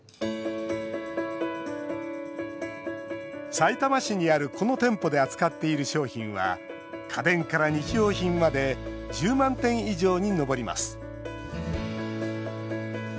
さいたま市にある、この店舗で扱っている商品は家電から日用品まで１０万点以上に上ります。